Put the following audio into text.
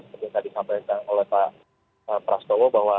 seperti yang tadi disampaikan oleh pak prasutowo